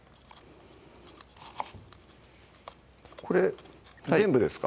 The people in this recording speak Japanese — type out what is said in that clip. これ全部ですか？